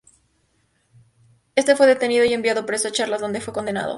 Este fue detenido y enviado preso a Charcas donde fue condenado.